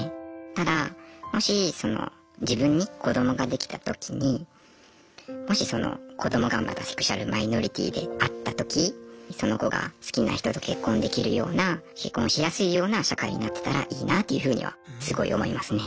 ただもし自分に子どもができたときにもしその子どもがまたセクシュアルマイノリティーであったときその子が好きな人と結婚できるような結婚しやすいような社会になってたらいいなというふうにはすごい思いますね。